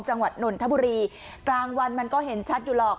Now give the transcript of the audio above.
หน่นทบุรีกลางวันมันก็เห็นชัดอยู่หรอก